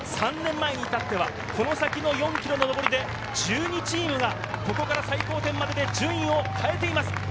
３年前はこの先の４ｋｍの上りで１２チームがここから最高点までで順位を変えています。